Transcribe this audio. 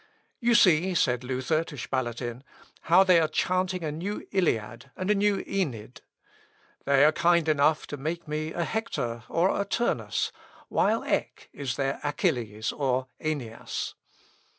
"You see," said Luther to Spalatin, "how they are chanting a new Iliad, and a new Æneid. They are kind enough to make me a Hector or a Turnus, while Eck is their Achilles, or Æneas.